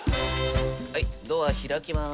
はいドア開きます。